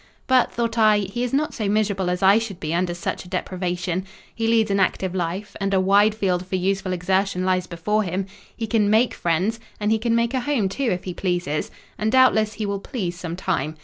"But," thought I, "he is not so miserable as I should be under such a deprivation: he leads an active life; and a wide field for useful exertion lies before him. He can make friends; and he can make a home too, if he pleases; and, doubtless, he will please some time.